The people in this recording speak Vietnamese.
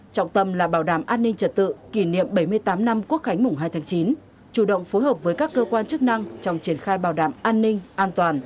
trọng tâm là bảo đảm an ninh trật tự kỷ niệm bảy mươi tám năm quốc khánh mùng hai tháng chín chủ động phối hợp với các cơ quan chức năng trong triển khai bảo đảm an ninh an toàn